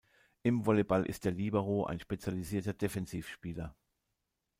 Im Volleyball ist der Libero ein spezialisierter Defensivspieler.